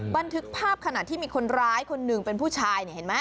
บันทึกภาพขนาดที่มีคนร้ายคนหนึ่งเป็นผู้ชาย